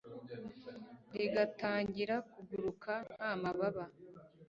rigatangira kuguruka nta mababa